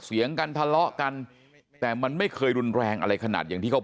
เสียงกันทะเลาะกันแต่มันไม่เคยรุนแรงอะไรขนาดอย่างที่เขา